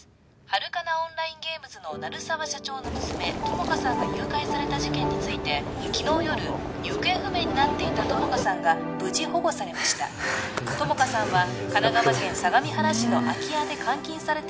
ハルカナ・オンライン・ゲームズの鳴沢社長の娘友果さんが誘拐された事件について昨日夜行方不明になっていた友果さんが無事保護されましたよかったよかったですねよかったですね